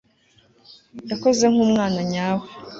yakoze nkumwana nyawe